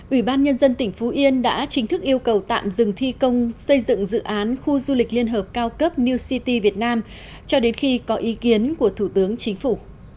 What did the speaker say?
ủy ban nhân dân tỉnh phú yên đã chính thức yêu cầu tạm dừng thi công xây dựng dự án khu du lịch liên hợp cao cấp new city việt nam cho đến khi có ý kiến của thủ tướng chính phủ